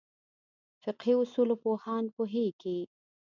فقهې اصولو پوهان پوهېږي.